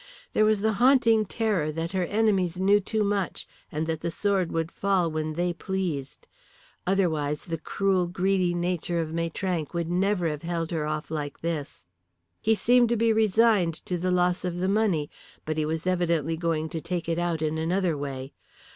There was the haunting terror that her enemies knew too much, and that the sword would fall when they pleased. Otherwise the cruel, greedy nature of Maitrank would never have held her off like this. He seemed to be resigned to the loss of the money, but he was evidently going to take it out in another way.